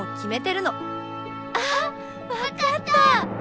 あっ分かった！